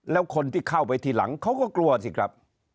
แล้วคนที่เข้าไปทีหลังเขาก็กลัวสิครับ